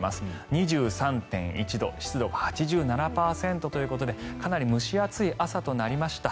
２３．１度湿度が８７％ということでかなり蒸し暑い朝となりました。